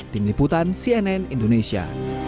tim liputan cnn indonesia